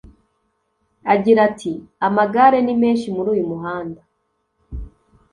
Agira ati “Amagare ni menshi muri uyu muhanda